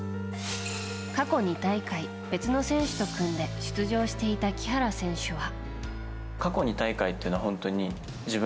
過去２大会、別の選手と組んで出場していた木原選手は。